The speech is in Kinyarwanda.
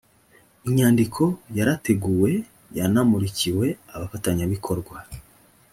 inyandiko yarateguwe yanamurikiwe abafatanyabikorwa